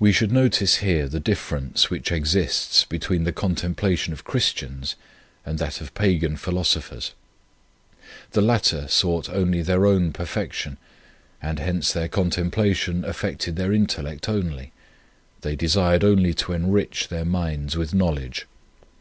We should notice here the differ ence which exists between the contemplation of Christians and that of pagan philosophers. The latter sought only their own per fection, and hence their contempla tion affected their intellect only ; they desired only to enrich their minds with knowledge.